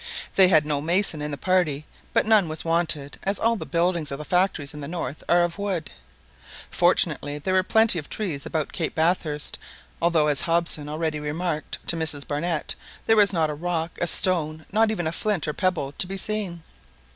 They had no mason in the party; but none was wanted, as all the buildings of the factories in the north are of wood. Fortunately there were plenty of trees about Cape Bathurst, although as Hobson had already remarked to Mrs Barnett, there was not a rock, a stone, not even a flint or a pebble, to be seen.